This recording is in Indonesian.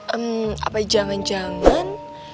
ehm apa jangan jangan